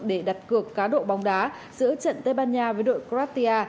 để đặt cược cá độ bóng đá giữa trận tây ban nha với đội cratia